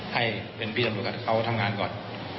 ให้เป็นพี่ตำรวจเขาทำงานก่อน